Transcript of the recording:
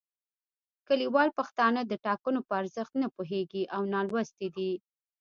کلیوال پښتانه د ټاکنو په ارزښت نه پوهیږي او نالوستي دي